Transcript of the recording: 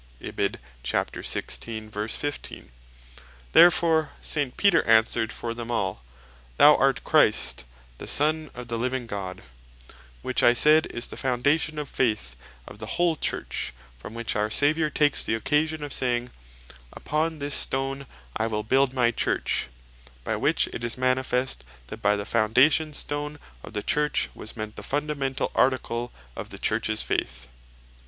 Therefore Peter answered (for them all) "Thou art Christ, the Son of the Living God;" which I said is the Foundation of the Faith of the whole Church; from which our Saviour takes the occasion of saying, "Upon this stone I will build my Church;" By which it is manifest, that by the Foundation Stone of the Church, was meant the Fundamentall Article of the Churches Faith.